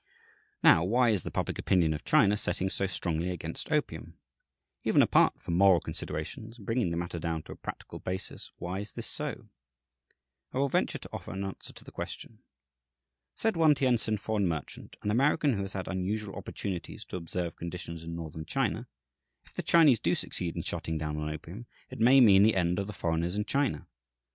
Now, why is the public opinion of China setting so strongly against opium? Even apart from moral considerations, bringing the matter down to a "practical" basis, why is this so? I will venture to offer an answer to the question. Said one Tientsin foreign merchant, an American who has had unusual opportunities to observe conditions in Northern China: "If the Chinese do succeed in shutting down on opium, it may mean the end of the foreigners in China.